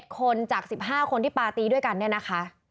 คนจาก๑๕คนที่ปาร์ตีด้วยกันเนี่ยนะคะ